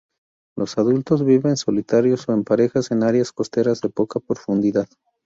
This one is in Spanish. Los adultos viven solitarios o en parejas en áreas costeras de poca profundidad.